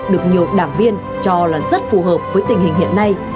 được nhiều đảng viên cho là rất phù hợp với tình hình hiện nay